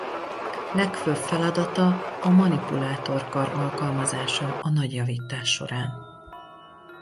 Legfőbb feladata a manipulátor kar alkalmazása a nagyjavítás során.